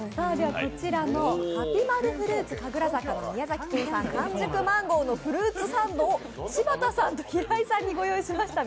こちらのハピマルフルーツ神楽坂の宮崎県産完熟マンゴーのフルーツサンドを柴田さんと平井さんに御用意しました。